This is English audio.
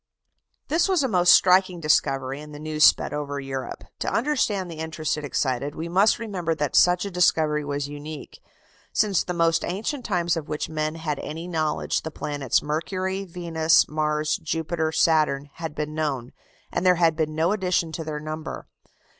This was a most striking discovery, and the news sped over Europe. To understand the interest it excited we must remember that such a discovery was unique. Since the most ancient times of which men had any knowledge, the planets Mercury, Venus, Mars, Jupiter, Saturn, had been known, and there had been no addition to their number.